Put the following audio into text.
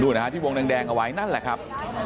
นะฮะที่วงแดงเอาไว้นั่นแหละครับ